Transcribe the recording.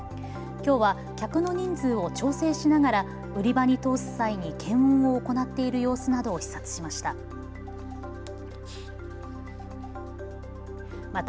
きょうは、客の人数を調整しながら、売り場に通す際に検温を行っている様子などを視察しました。